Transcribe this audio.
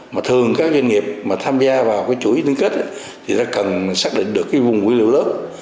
mà thường các doanh nghiệp mà tham gia vào cái chuỗi liên kết thì ta cần xác định được cái vùng nguyên liệu lớn